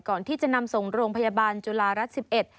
ก่อนที่จะนำส่งโรงพยาบาลจุฬารัฐ๑๑